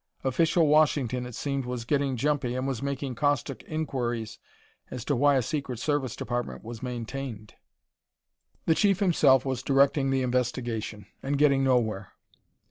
Official Washington, it seemed, was getting jumpy and was making caustic inquiries as to why a Secret Service department was maintained. The Chief, himself, was directing the investigation and getting nowhere.